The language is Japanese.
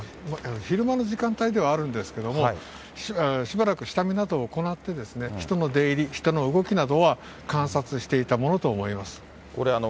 昼間の時間帯ではあるんですけれども、しばらく下見などを行って、人の出入り、人の動きなどは観察していたものと思います。